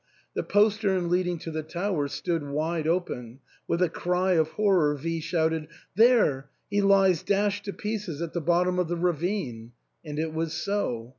The postern leading to the tower stood wide open, with a cry of horror V shouted, " There — he lies dashed to pieces at the bot tom of the ravine." And it was so.